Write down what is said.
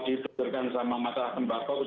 ditutupkan sama masalah tembakau